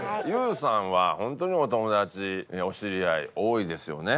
ＹＯＵさんは本当にお友達お知り合い多いですよね。